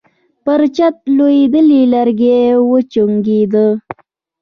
پر چت لوېدلي لرګي وچونګېدل.